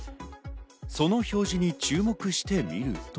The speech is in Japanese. その表示に注目してみると。